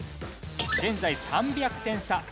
現在３００点差。